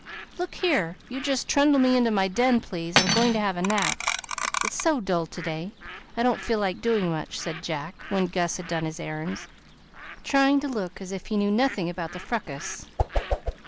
"Look here, you just trundle me into my den, please, I'm going to have a nap, it's so dull to day I don't feel like doing much," said Jack, when Gus had done his errands, trying to look as if he knew nothing about the fracas.